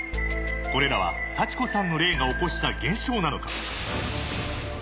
これらは幸子さんの霊が起こした現象なのか？